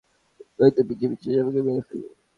নয়তো পিছু পিছু এসে আমাকে মেরে ফেলবে।